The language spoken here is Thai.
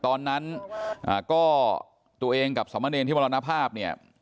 ตอนนั้นก็ตัวเองกับสมเนรที่มรณภาพเนี่ย